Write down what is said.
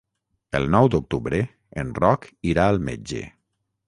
El nou d'octubre en Roc irà al metge.